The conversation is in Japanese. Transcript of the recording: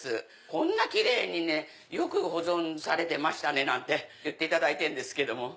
こんな奇麗にねよく保存されてましたね！なんて言っていただいてるんですけども。